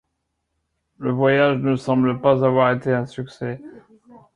Le voyage ne semble pas avoir été un succès.